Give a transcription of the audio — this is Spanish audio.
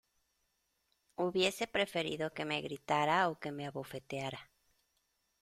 hubiese preferido que me gritara o que me abofeteara